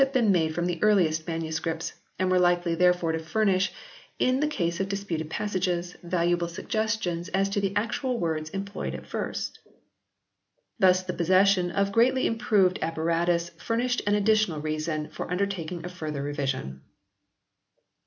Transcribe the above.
been made from the earliest manuscripts and were likely therefore to furnish, in the case of disputed passages, valuable suggestions as to the actual words employed at first. Thus the possession of greatly improved apparatus furnished an additional reason for undertaking a further revision.